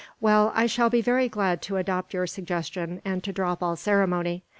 "Well, I shall be very glad to adopt your suggestion, and to drop all ceremony.